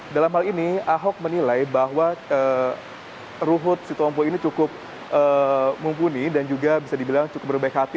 dalam hal ini ahok menilai bahwa ruhut sitompul ini cukup mumpuni dan juga bisa dibilang cukup berbaik hati